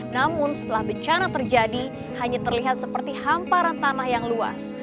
namun setelah bencana terjadi hanya terlihat seperti hamparan tanah yang luas